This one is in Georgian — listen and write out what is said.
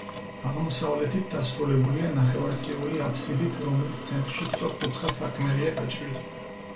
აღმოსავლეთით დასრულებულია ნახევარწრიული აბსიდით, რომლის ცენტრში სწორკუთხა სარკმელია გაჭრილი.